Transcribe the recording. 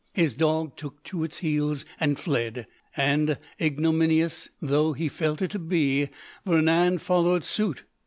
His dog took to its heels and fled, and, ignominious though he felt it to be, Vernand followed suit.